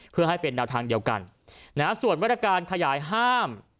เพื่อให้เป็นแนวทางเดียวกันนะฮะส่วนมาตรการขยายห้าม